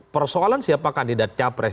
persoalan siapa kandidat capres